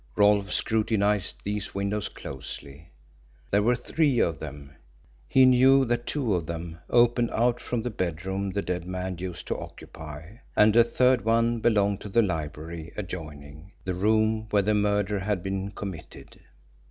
Rolfe scrutinised these windows closely. There were three of them he knew that two of them opened out from the bedroom the dead man used to occupy, and the third one belonged to the library adjoining the room where the murder had been committed.